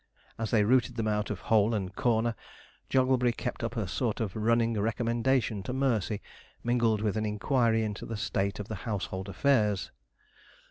As they routed them out of hole and corner, Jogglebury kept up a sort of running recommendation to mercy, mingled with an inquiry into the state of the household affairs.